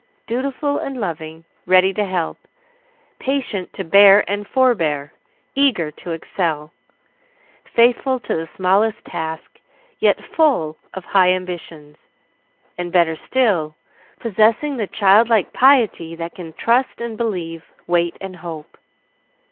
Dutiful and loving; ready to help; patient to bear and forbear; eager to excel; faithful to the smallest task, yet full of high ambitions; and, better still, possessing the childlike piety that can trust and believe, wait and hope.